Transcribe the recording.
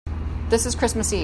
This is Christmas Eve.